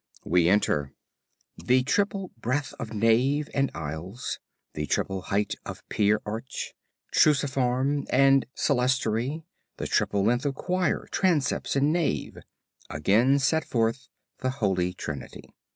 "We enter. The triple breadth of Nave and Aisles, the triple height of Pier arch, Triforium, and Clerestory, the triple length of Choir, Transepts, and Nave, again set forth the HOLY TRINITY.